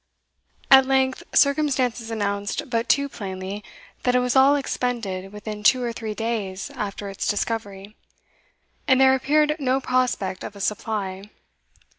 At length circumstances announced but too plainly, that it was all expended within two or three days after its discovery; and there appeared no prospect of a supply.